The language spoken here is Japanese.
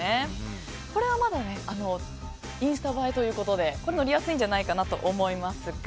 これはまだインスタ映えということで乗りやすいんじゃないかと思いますが。